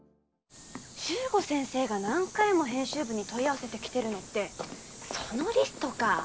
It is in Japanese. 十五先生が何回も編集部に問い合わせてきてるのってそのリストかぁ。